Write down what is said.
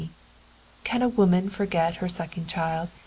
Can a woman forget her sucking child